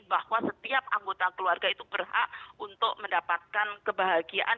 bahwa setiap anggota keluarga itu berhak untuk mendapatkan kebahagiaan